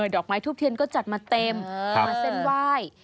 ดอกไม้ทูบเทียนก็จัดมาเต็มมาเส้นไหว้